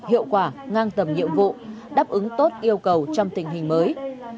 hiệu quả ngang tầm nhiệm vụ đáp ứng tốt yêu cầu trong tình hình mới